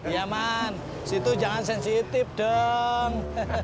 ya man situ jangan sensitif dong